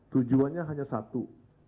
tujuannya hanya satu